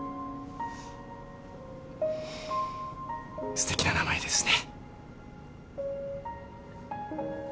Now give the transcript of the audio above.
すてきな名前ですね。